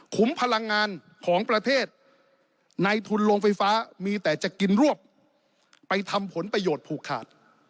พลังงานของประเทศในทุนโรงไฟฟ้ามีแต่จะกินรวบไปทำผลประโยชน์ผูกขาด